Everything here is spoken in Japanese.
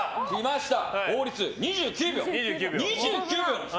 法律、２９秒です。